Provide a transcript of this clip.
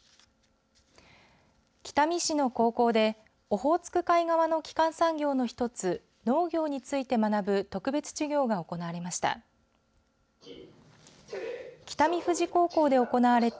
北見市の高校でオホーツク海側の基幹産業の一つ農業について学ぶ特別授業が行われました。